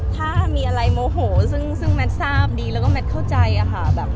ถ้ามีอะไรโมโหซึ่งแมททราบดีแล้วก็แมทเข้าใจอะค่ะ